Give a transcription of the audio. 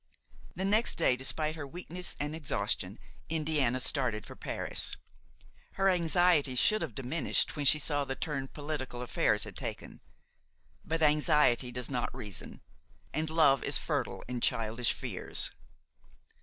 The next day, despite her weakness and exhaustion, Indiana started for Paris. Her anxiety should have diminished when she saw the turn political affairs had taken; but anxiety does not reason, and love is fertile in childish fears.